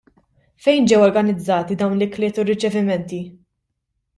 Fejn ġew organizzati dawn l-ikliet u r-riċevimenti?